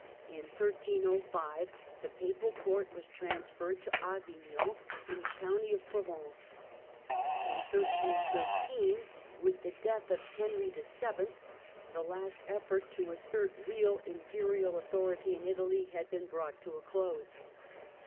In 1305 the Papal Court was transferred to Avignon in the County of Provence ; in 1313 with the death of Henry VII. the last effort to assert real Imperial authority in Italy had been brought to a close.